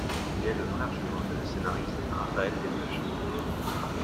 Il est le frère jumeau de la scénariste Raphaëlle Desplechin.